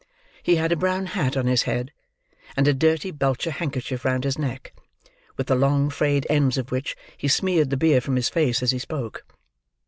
He had a brown hat on his head, and a dirty belcher handkerchief round his neck: with the long frayed ends of which he smeared the beer from his face as he spoke.